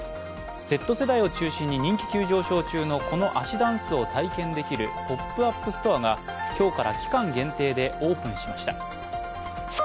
Ｚ世代を中心に人気急上昇中のこの足ダンスを体験できるポップアップストアが今日から期間限定でオープンしました。